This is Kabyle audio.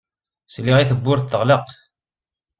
Sliɣ i tewwurt teɣleq.